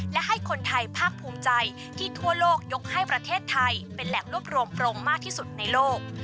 และให้คนไทยภาคภูมิใจที่ทั่วโลกยกให้ประเทศไทยเป็นแหล่งรวบรวมโปรงมากที่สุดในโลก